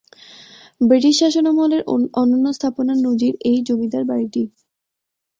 British শাসনামলের অনন্য স্থাপনার নজির এই জমিদার বাড়িটি।